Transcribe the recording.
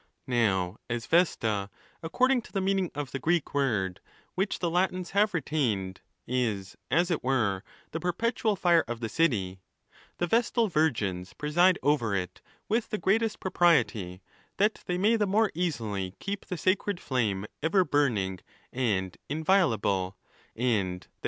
Now as Vesta, according to the meaning of the Greek word, which the Latins haye retained, is as it were the perpetual fire of the city, the vestal virgins preside over it with the greatest propriety, that they may the more easily keep the sacred flame ever burning and inviolable, and that women 1 Vincendi, et potiendi, 2 Probably the same as Vesta.